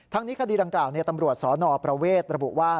ทั้งนี้ค่ะดีดาร์กล่าวตำรวจสประเวทระบุว่า